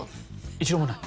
一度もない？